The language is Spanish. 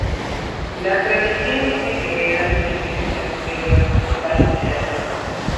La tradición dice que eran siete villas pero las principales eran cinco.